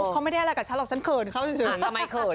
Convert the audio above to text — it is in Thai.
เขามีอะไรกับฉันหรอกฉันเคินเขาจริง